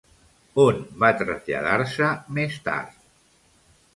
On va traslladar-se més tard?